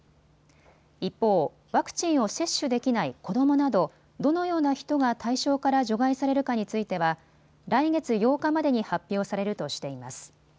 一方、ワクチンを接種できない子どもなど、どのような人が対象から除外されるかについては来月８日までに発表されるとしています。